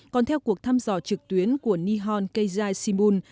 còn theo cuộc thăm dò trực tuyến của nihon keijai shimbun